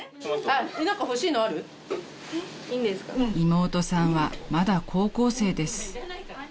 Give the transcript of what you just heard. ［妹さんはまだ高校生です］